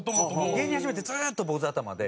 芸人始めてずっと坊主頭で。